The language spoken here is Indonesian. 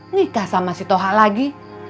nikah sama si toha lagi